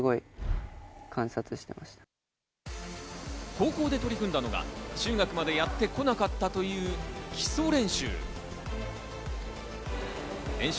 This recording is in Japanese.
高校で取り組んだのが、中学までやってこなかったという基礎練習。